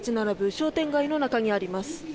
商店街の中にあります。